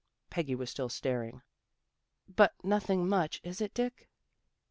Peggy was still staring. " But nothing much, is it, Dick?